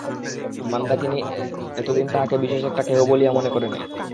মন্দাকিনী এতদিন তাহাকে বিশেষ একটা কেহ বলিয়া মনে করে নাই।